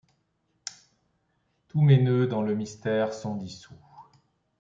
Tous mes noeuds dans le mystère, sont dissous.